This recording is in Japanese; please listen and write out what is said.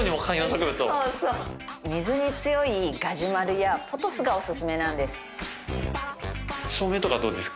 水に強いガジュマルやポトスがお薦めなんです。